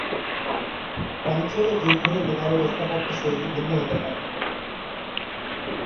অঞ্চল ও যুগ ভেদে মিনারের স্থাপত্যশৈলী ভিন্ন হতে পারে।